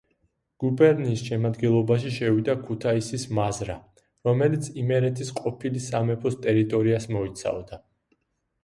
გუბერნიის შემადგენლობაში შევიდა ქუთაისის მაზრა, რომელიც იმერეთის ყოფილი სამეფოს ტერიტორიას მოიცავდა.